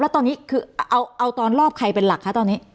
แล้วตอนนี้คือเอาตอนรอบใครเป็นหลักคะตอนนี้